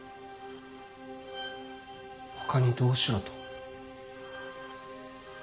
他にどうしろと？